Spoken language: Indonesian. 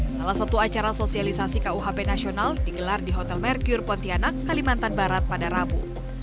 salah satu acara sosialisasi kuhp nasional digelar di hotel merkure pontianak kalimantan barat pada rabu